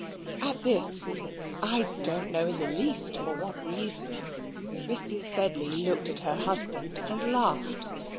At this, I don't know in the least for what reason, Mrs. Sedley looked at her husband and laughed.